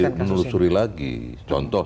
saya akan menelusuri lagi contoh